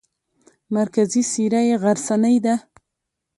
مرکزي څېره یې غرڅنۍ ده.